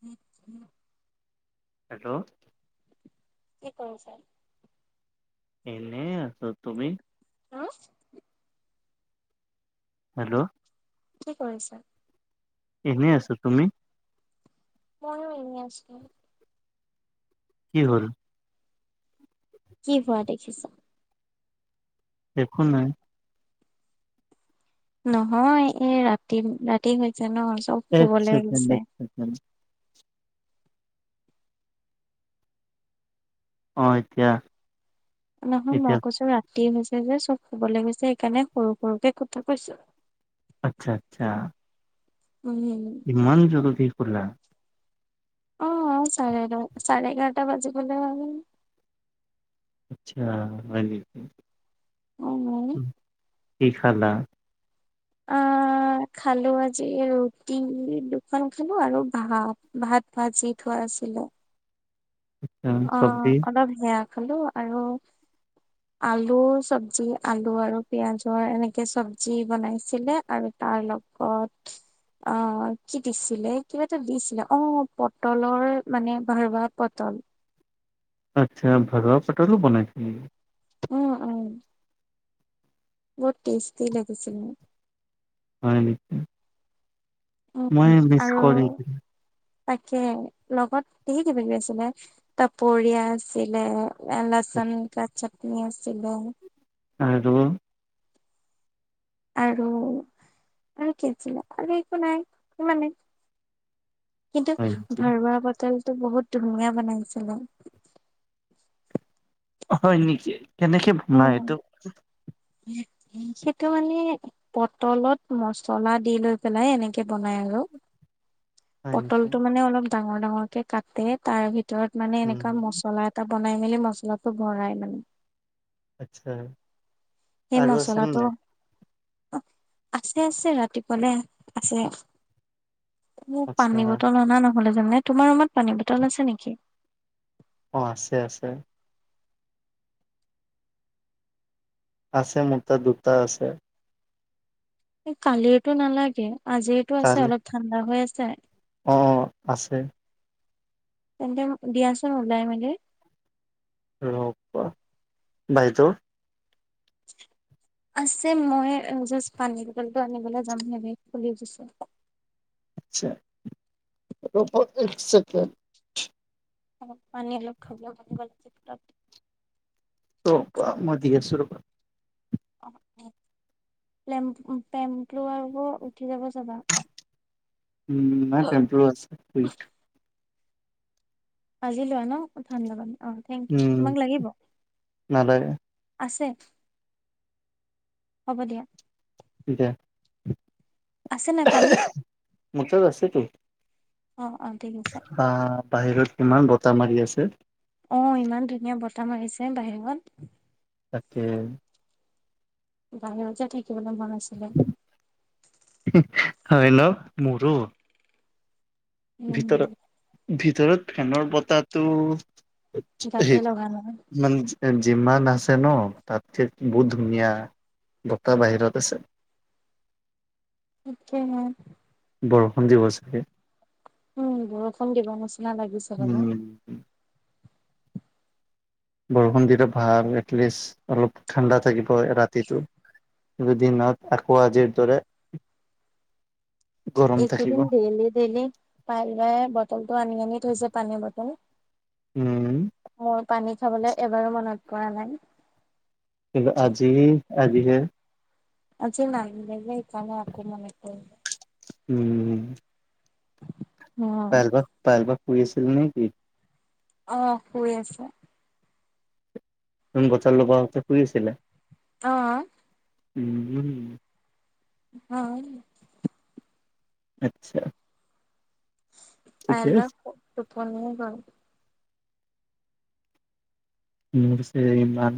[inaudible] Hello কি কৰিছা? এনেই আছো তুমি হম হেল্ল' কি কৰিছা? এনে আছোঁ তুমি মইও এনে আছিলো কি হ'ল কি হোৱা দেখিছ? একো নাই নহয় এই ৰাতি ৰাতি হৈছে ন চব এক শুবলে ছেকেণ্ড এক গৈছে ছেকেণ্ড অ এতিয়া নহয় এতিয়া মই কৈছোঁ ৰাতি হৈছে যে চব শুবলে গৈছে সেইকাৰণে সৰু সৰুকে কথা কৈছোঁ আচ্ছা আচ্ছা উম ইমান জলদি হোলা অ চাৰে চাৰে এঘাৰটা বাজি গ'লে আৰু আচ্ছা হয় নেকি অঁঅঁ কি খালা অঁ খালো আজি ৰুটি দুখন খালো আৰু ভাত ভাত ভাজি থোৱা আছিলে অঁ চব্জি অলপ সেয়া খালো আৰু আলু চব্জি আলু আৰু পিয়াঁজৰ এনেকে চব্জি বনাইছিলে আৰু তাৰ লগত অঁ কি দিছিলে কিবা এটা দিছিলে অ পটলৰ মানে ভাৰুৱা পটল আচ্ছা [unintelligible] নেকি? উম, উম। বহুত টেষ্টি লাগেছিল। [unintelligible] মই উম মিছ আৰু কৰি দিলো। তাকে লগত ধেই কিবা-কিবি আছিলে। তপৰীয়া আছিলে লচুন কা চাটনি আছিলে। আৰু আৰু আৰু কি আছিলে? আৰু একো নাই ইমানেই। কিন্তু হয় নেকি ভৰোৱা বটল টো বহুত ধুনীয়া বনাইছিলে। হয় নেকি? কেনেকে বনাই উম। এইটো? [inaudible] সেইটো মানে পটলত মচলা দি লৈ পেলাই এনেকে বনাই আৰু। হয় নেকি পটলটো মানে অলপ ডাঙৰ ডাঙৰ কে কাটে তাৰ ভিতৰত মানে এনেকুৱা উম মচলা এটা বনাই মেলি মছলাটো ভৰাই মানে। আচ্ছা। সেই আৰু আছে নে মচলাটো নাই আছে, আছে। ৰাতিপুৱালে আছে। মোক আচ্ছা পানী বটল অনা নহলে জানা নে? তোমাৰ ৰুমত পানী বটল আছে নেকি? অঁ আছে, আছে। আছে, মোৰ তাত দুটা আছে। কালিৰটো নালাগে। আজিৰটো আছে? অলপ ঠাণ্ডা হৈ আছে? অঁ, অঁ আছে। তেন্তে দিয়া চোন উলাই মেলি। ৰবা বাইদেউ। [inaudible] আছে। মই জাষ্ট পানী বটলটো আনিবলৈ যাম নে [unintelligible] খুলি দিছোঁ। আতচা ৰবা এক চেকেণ্ড। পানী অলপ খাব [unintelligible] ৰ বা মই দি আছো ৰব পেম্প্ল [unintelligible] আৰু উঠি যাব চাবা। উম নাই [unintelligible] আছে আজি লোৱা ন ঠাণ্ডা পানী। অ থেংক ইউ। উম তোমাক লাগিব? নালাগে। আছে? হ'ব দিয়া। এতিয়া আছে নাই পানী? মৰ তাত আছে তো। অ, অ। ঠিক আছে বা বাহিৰত কিমান বতাহ মাৰি আছে। অ ইমান ধুনীয়া বতাহ মাৰিছে বাহিৰত। তাকে। বাহিৰত যে থাকিবলৈ মন আছিলে। অঁ হেল্ল' মোৰো। উম। ভিতৰত ভিতৰত ফেনৰ বতাহটো গাতে হে লগা নাই মানে যিমান আছে ন তাত ঠেকি বহুত ধুনীয়া বতাহ বাহিৰত আছে। [inaudible] তাকে হে। বৰষুণ দিব চাগে উম বৰষুণ দিবা নিচিনা লাগিছে জানোঁ উম বৰষুণ দিলে ভাল এটলিষ্ট অলপ ঠাণ্ডা থাকিব ৰাতিটো দুদিনত আকৌ আজিৰ দৰে গৰম থাকিব এইকেইদিন ডেইলি ডেইলি পাৰাই বটলটো আনি আনি থৈছে পানীৰ বটল উম মোৰ পানী খাবলৈ এবাৰো মনত পৰা নাই কি আজি আজিহে আজি নাই যে সেইকাৰণে আকৌ মনত পৰিলে উম অ'। পেলব পেলবক শুই আছিল নেকি? অহ শুই আছে নোন বছাৰ লবতে শুৰি আছিলে অঁ উম অঁ আচ্ছা। পাইল ঠিকে বা আছে তুপনি গ'ল মোৰ যে ইমান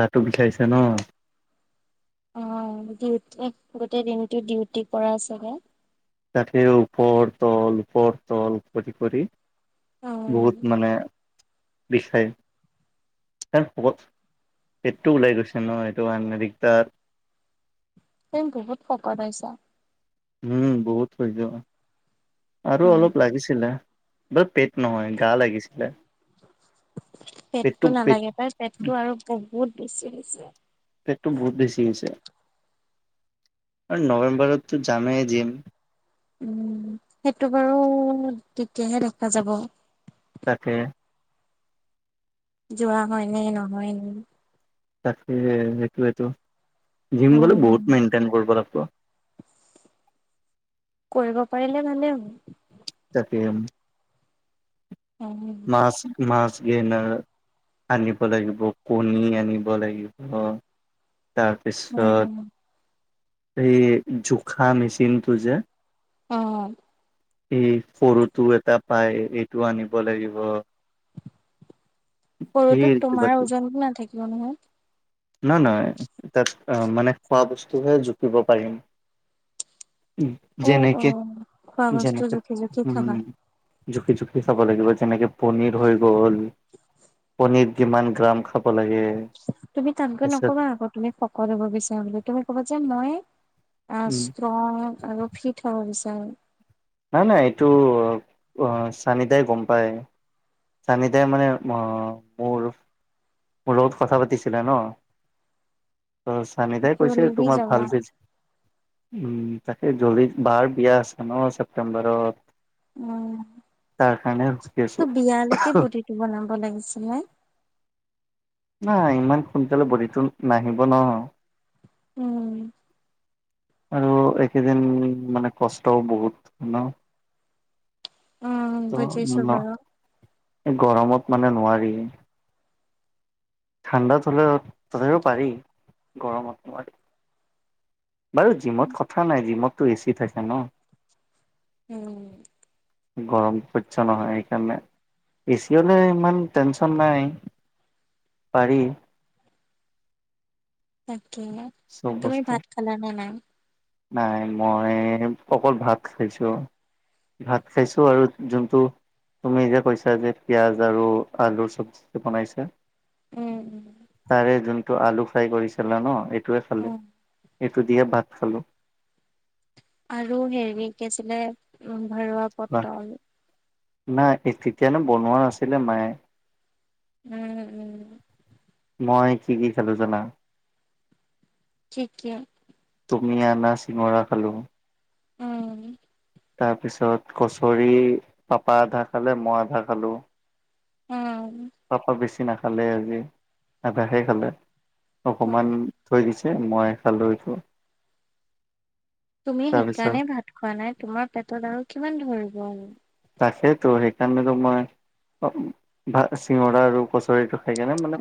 গাটো বিষাছে ন অঁ ডিউটি গোটেই দিনটো ডিউটি কৰা চাগে তাকে ওপৰ তল ওপৰ তল কৰি কৰি উম, বহুত মানে বিষাই শকত পেটটো ওলাই গৈছে ন এইটো কাৰণে দিগদাৰ তুমি বহুত শকত হৈছ উম বহুত হৈ যায় আৰু উম, অলপ লাগিছিলে য'ত পেট নহয়। গা লাগিছিলে পেটটো নালাগে পাই পেটটো আৰু বহুত বহুত বেছি হৈছে পেটটো বহুত বেছি হৈছে আৰু নৱেম্বৰতো জামেই জিম উম সেইটো বাৰু তেতিয়াহে দেখা যাব তাকে। যোৱা হয় নে নহয় তাকে সেইটোৱেতো জিম গলে উম, বহুত মেইনটেইন কৰিব লাগি ব কৰিব পাৰিলে ভালে হ'ব উম। মাছ মাছ গেনৰ আনিব লাগিব কণী আনিব লাগিব উম। তাৰপিছত এই জোখা মেচিনটো যে অঁ এই সৰুটো এটা পায় এইটো আনিব লাগিব ধেৰ সৰুটোত তোমাৰ ওজনটো নাথাকিব নহয় নাহ নাহয় তাত মানে খোৱা বস্তুহে জুকিব পাৰিম অ', যেনেকে অ', খোৱা বস্তু যেনেকে জুখি জুখি উম খাবা। জুখি জুখি খাব লাগিব যেনেকে পনিৰ হৈ গল পনীৰ যিমান গ্ৰাম খাব খাব লাগে। তানকৈ তাৰপিছত নকবা আকৌ তুমি শকত হ'ব বিচাৰ বুলি তুমি ক'ব যে মই অঁ উম ষ্ট্ৰং আৰু ফিট হব বিছাৰো নাই নাই এইটো চানিদাই গম পায় চানিদাই মানে মোৰ মোৰ লগত কথা পাতিছিলে ন সানিতাই কৈছে জল্দি তোমাৰ যাবা ভাল ফেজ [unintelligible] উম তাকে জলিত বাৰ বিয়া আছে ন ছেপ্তেম্বৰত [unintelligible] উম তাৰ কাৰণে ৰখি আছো তোৰ বিয়ালেকে বডিটো বনাব লাগিছিলে [unintelligible] নাই ইমান সোনকালে বডিটো নাহিব ন উম আৰু এইকেদিন মানে কষ্টও বহুত ন উম বুজিছো বাৰু এই গৰমত মানে নোৱাৰি [unintelligible] ঠাণ্ডাত হলেও তথাপিও পাৰি গৰমতাৰ [unintelligible] বাৰু জিমত কথা নাই জিমততো এচি থাকে ন উম গৰমটো সহ্য নহয় সেইকাৰণে এ চি হলে ইমান টেনচন নাই পাৰি [inaudible] তাকে চব তুমি বস্তু ভাত খালা নে নাই নাই মই অকল ভাত খাইছোঁ ভাত খাইছো আৰু যোনটো তুমি যে কৈছা যে পিঁয়াজ আৰু আলুৰ চব্জি বনাইছো উম, উম, তাৰে যোনটো আলু ফ্ৰাই কৰিছিলা ন সেইটোৱে খালো অ', [unintelligible] এইটো দিয়ে ভাত খালোঁ আৰু হেৰি কি আছিলে উ ভৰুৱা পটল [unintelligible] নাই তেতিয়ানো বনোৱা নাছিলে মায়ে [unintelligible] উম উম মই কি কি খাঁলো জানা ঠিকে তুমি অনা চিঙৰা খালোঁ উম তাৰপিছত কচৰি পাপা আধা খালে মই আধা খালোঁ উম পাপা বেছি নাখালে আজি আভাসে খালে উম। অকমান থৈ গৈছে মই খালো এই তো তুমি সেইকাৰণেই ভাত খোৱা নাই তোমাৰ পেটত আৰু কিমান ধৰিব তাকেইতো সেইকাৰণেতো মই ভ চিঙৰা আৰু কচৰিটো খাই কিনে মানে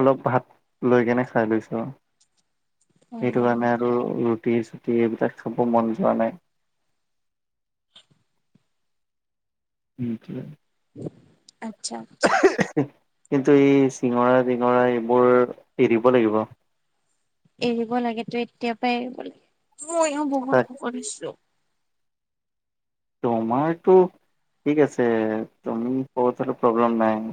অলপ ভাত লৈ কেনে খাই লৈছো সেইটো উম, কাৰণে আৰু ৰুটি চুটি এইবিলাক চাব মন যোৱা নাই উম [unintelligible] আচ্ছা আচ্ছা কিন্তু এই চিঙৰা তিঙৰা এইবোৰ এৰিব লাগিব এৰিব লাগেতো এতিয়াৰ পাই এৰিব লাগে তাক ময়ো বহুত কৰিছো তোমাৰতটো ঠিক আছে তুমি শকত প্ৰব্লেম নাই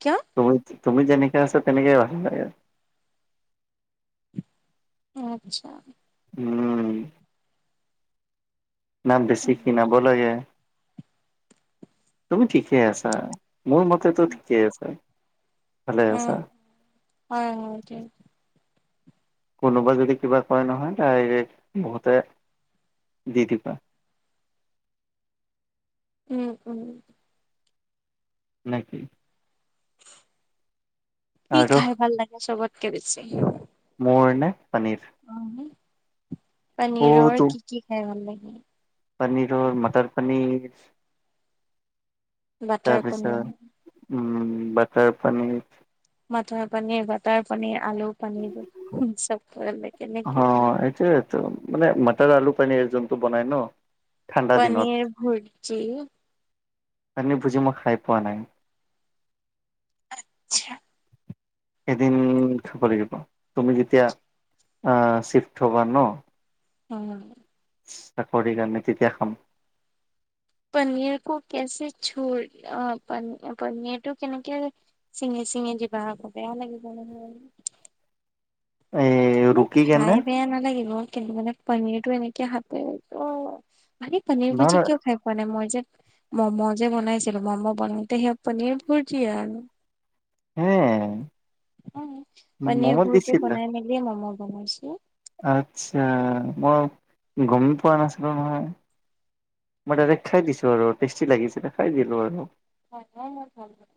কিয় তুমি তুমি যেনেকে আছা তেনেকে ভাল লাগে আচ্ছা [unintelligible] উম না বেছি উম, কিনাব লাগে তুমি ঠিকে আছা মোৰ মতেতো ঠিকেই আছা ভালে আছা উম হয় হয় ঠিক কোনোবা যদি কিবা কয় নহয় ডাইৰেক্ট বহুতে দি দিবা উম উম নেকি। কি আৰু খাই ভাল লাগে চবত কে বেছি? মোৰ নে পনীৰ। [unintelligible] অ পনীৰৰ তো কি- কি খায় ভাল লাগে? পনীৰৰ মটৰ - পনীৰ বাটাৰ তাৰপিছত পনীৰ উম, butter paneer. Butter paneer - butter paneer আলু পনীৰতো চব [unintelligible] অ কেনেক এইটোয়েতো [unintelligible] আলু পনীৰ জোনটো বনাই ন'? ঠাণ্ডা দিনত পনীৰ ভুৰ্জি, পনীৰ ভূৰ্জি মই খাই পোৱা নাই। আচ্ছা। এদিন খাব লাগিব তুমি যেতিয়া আ', শিফট হ'ব ন'? উম চাকৰিৰ কাৰণে তেতিয়া খাম। পনীৰ'ক কেচে চোৰ অহ পনীৰটো কেনেক চিঙে চিঙি দিবা আক বেয়া লাগিব নহয়। [inaudible] এই এনে ৰুকি কেনে খাই বেয়া নালাগিব কিন্তু মানে পনীৰটো এনেকে হাতে অ মানে পনীৰ নহয় ভূৰ্জী নহয় কিয় খাই পোৱা নাই মই যে ম'ম যে বনাইছিলো ম'ম বনাওঁতে সেই পনীৰ ভুৰ্জি আৰু হে পনীৰ মম' ভূৰ্জি দিছিল বনাই মিলি ম'ম বনাইছো। আচ্ছা মই গমে পোৱা নাছিলো নহয়। মই ডাইৰেক্ট খাই দিছো আৰু টেষ্টি লাগিছিল খাই দিলো আৰু। হয় ন' [unintelligible]